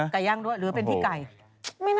ไม่น่าจะเกี่ยวกับไก่ย่าง